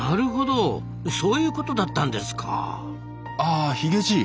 あヒゲじい。